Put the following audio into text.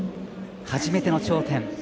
初めての頂点。